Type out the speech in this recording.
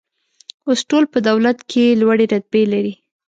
اوس ټول په دولت کې لوړې رتبې لري